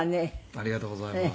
ありがとうございます。